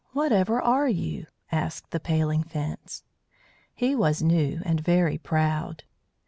Whatever are you?" asked the Paling Fence. He was new and very proud.